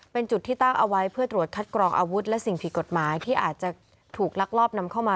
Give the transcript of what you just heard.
เป็นจุดที่ตั้งเอาไว้เพื่อตรวจคัดกรองอาวุธและสิ่งผิดกฎหมายที่อาจจะถูกลักลอบนำเข้ามา